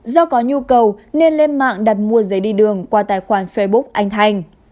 do có nhu cầu nên lên mạng đặt mua giấy đi đường qua tài khoản facebook anh thành